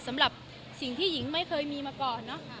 สำหรับสิ่งที่หญิงไม่เคยมีมาก่อนเนอะค่ะ